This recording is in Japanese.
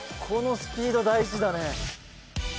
このスピード大事だね。